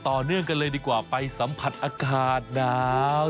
ต่อเนื่องกันเลยดีกว่าไปสัมผัสอากาศหนาว